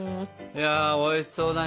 いやおいしそうだねかまど。